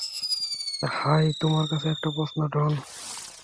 High তোমার কাছে একটা প্রশ্ন ডন।